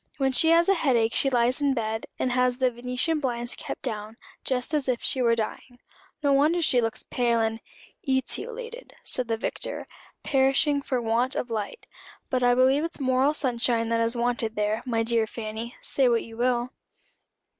"When she has a head ache she lies in bed, and has the venetian blinds kept down, just as if she were dying. No wonder she looks pale and " "Etiolated," said the Vicar; "perishing for want of light. But I believe it's moral sunshine that is wanted there, my dear Fanny, say what you will."